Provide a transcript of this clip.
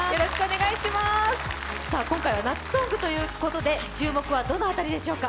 今回は夏ソングということで注目はどの辺りでしょうか？